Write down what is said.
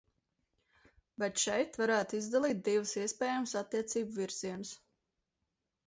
Bet šeit varētu izdalīt divus iespējamus attiecību virzienus.